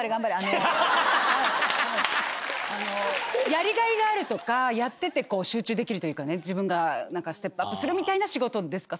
やりがいがあるとかやってて集中できるというか自分がステップアップするみたいな仕事ですか？